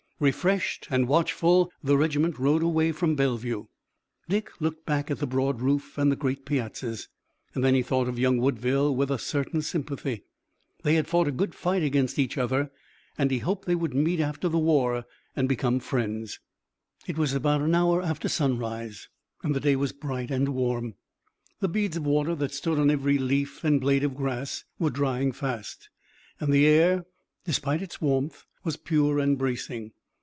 Refreshed and watchful, the regiment rode away from Bellevue. Dick looked back at the broad roof and the great piazzas, and then he thought of young Woodville with a certain sympathy. They had fought a good fight against each other, and he hoped they would meet after the war and be friends. It was about an hour after sunrise, and the day was bright and warm. The beads of water that stood on every leaf and blade of grass were drying fast, and the air, despite its warmth, was pure and bracing.